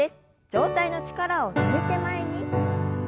上体の力を抜いて前に。